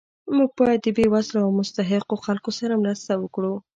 موږ باید د بې وزلو او مستحقو خلکو سره مرسته وکړو